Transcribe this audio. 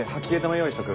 用意しとく。